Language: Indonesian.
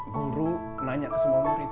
guru nanya ke semua murid